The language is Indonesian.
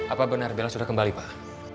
apa benar bella sudah kembali pak